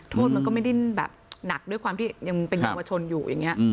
โทษมันก็ไม่ดิ้นหนักด้วยความที่ยังเป็นธุรกิจชนอยู่